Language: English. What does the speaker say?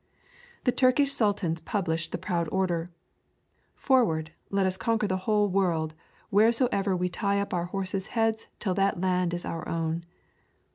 The Turkish sultans published the proud order: "Forward, let us conquer the whole world, wheresoever we tie up our horses' heads that land is our own."